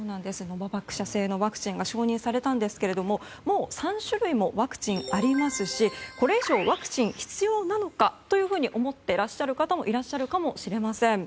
ノババックス社製のワクチンが承認されたんですけれどもう３種類もワクチンありますしこれ以上ワクチンが必要なのかというふうに思っていらっしゃる方もいらっしゃるかもしれません。